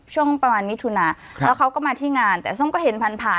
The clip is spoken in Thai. ช่วงประมาณมิถุนาแล้วเขาก็มาที่งานแต่ส้มก็เห็นผ่านผ่าน